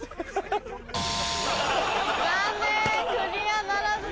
残念クリアならずです。